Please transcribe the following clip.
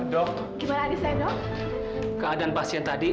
dia bakalan kembali